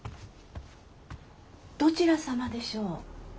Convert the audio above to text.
どちら様でしょう？